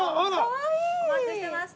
◆お待ちしてました。